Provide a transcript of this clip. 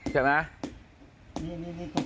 ใช่ไหม